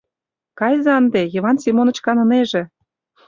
Кайыза ынде, Йыван Семоныч канынеже.